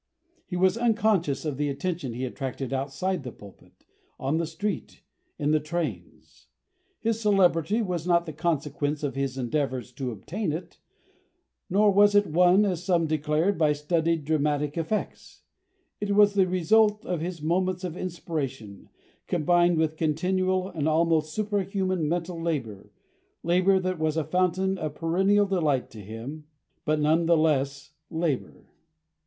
He was quite unconscious of the attention he attracted outside the pulpit, on the street, in the trains. His celebrity was not the consequence of his endeavours to obtain it, nor was it won, as some declared, by studied dramatic effects; it was the result of his moments of inspiration, combined with continual and almost superhuman mental labour labour that was a fountain of perennial delight to him, but none the less labour.